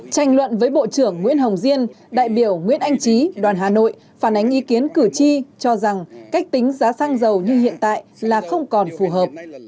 tranh luận với bộ trưởng nguyễn hồng diên đại biểu nguyễn anh trí đoàn hà nội phản ánh ý kiến cử tri cho rằng cách tính giá xăng dầu như hiện tại là không còn phù hợp